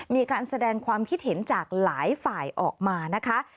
มีการแสดงความคิดเห็นจากหลายฝ่ายออกมานะคะ